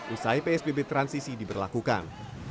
usai psbb transisi diberlakukan